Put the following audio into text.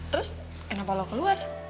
terus kenapa lo keluar